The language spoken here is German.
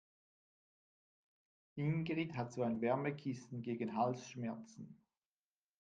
Ingrid hat so ein Wärmekissen gegen Halsschmerzen.